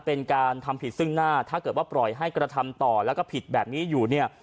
เป็นการทำผิดซึ่งหน้าถ้าเกิดว่าปล่อยให้กระทำต่อแล้วก็ผิดแบบนี้อยู่เนี่ย